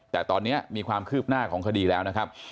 แต่ตอนนี้มีความคืบหน้าของคดีแล้วนะครับ